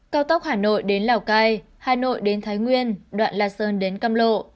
cao tốc hà nội đến lào cai hà nội đến thái nguyên đoạn là sơn đến căm lộ